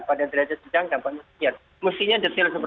pada derajat sedang dampaknya sekian